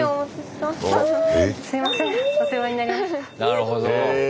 なるほど。へ。